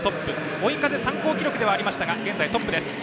追い風参考記録ではありましたが現在トップです。